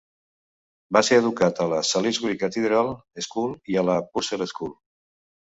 Va ser educat a la Salisbury Cathedral School i a la Purcell School.